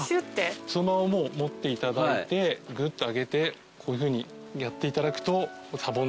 そのまま持っていただいてぐっと上げてこういうふうにやっていただくとシャボン玉ができますね。